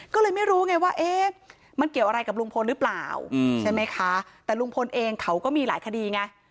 ก็เลยไม่รู้ไงว่าเอ๊ะมันเกี่ยวอะไรกับลุงพลหรือเปล่าใช่ไหมคะแต่ลุงพลเองเขาก็มีหลายคดีไง